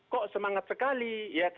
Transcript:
kok semangat sekali